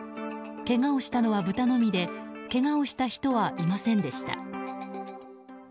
けがをしたのは豚のみでけがをした人はいませんでした。